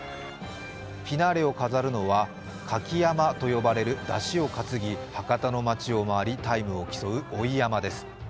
フィナーレを飾るのは舁き山笠と呼ばれる山車を担ぎ博多の街を回りタイムを競う追い山笠です。